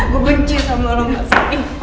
gue benci sama lo mbak siti